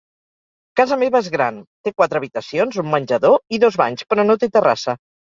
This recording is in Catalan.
Casa meva és gran, té quatre habitacions, un menjador i dos banys, però no té terrassa.